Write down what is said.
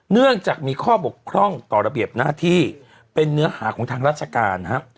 เนื่องจากมีข้อบกพร่องต่อระเบียบหน้าที่เป็นเนื้อหาของทางราชการนะครับ